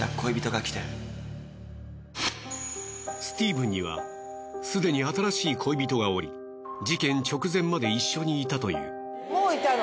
スティーブンにはすでに新しい恋人がおり事件直前まで一緒にいたという。